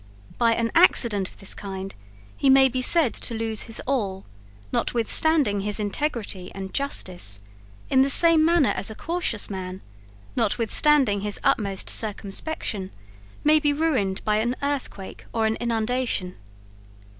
By an accident of this kind he may be said to lose his all, notwithstanding his integrity and justice, in the same manner as a cautious man, notwithstanding his utmost circumspection, may be ruined by an earthquake or an inundation.